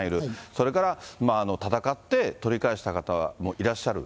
それから、戦って取り返した方もいらっしゃる。